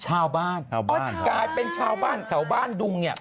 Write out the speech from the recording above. ชาวบ้านอ๋อกลายเป็นชาวบ้านแถวบ้านดุงเนี่ย